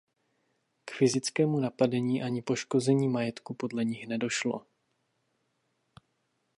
K fyzickému napadení ani poškození majetku podle nich nedošlo.